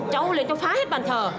cháu lên cháu phá hết bàn thờ